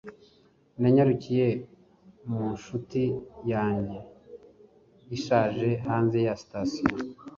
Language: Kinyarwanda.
Nanyarukiye mu nshuti yanjye ishaje hanze ya sitasiyo